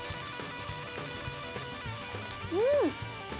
うん！